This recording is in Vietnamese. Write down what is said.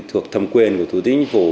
thuộc thẩm quyền của thủ tịch chính phủ